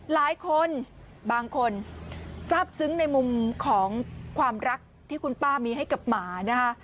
หลายคนบางคนทราบซึ้งในมุมของความรักที่คุณป้ามีให้กับหมานะคะ